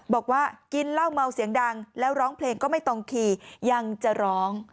บอกว่ากินเหล้าเมาเสียงดังแล้วร้องเพลงก็ไม่ตรงขี่ยังจะร้อง